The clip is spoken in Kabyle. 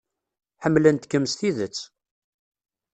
Ḥemmlent-kem s tidet.